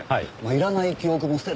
いらない記憶も捨てられない。